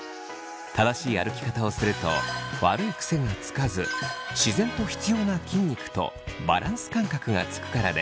正しい歩き方をすると悪い癖がつかず自然と必要な筋肉とバランス感覚がつくからです。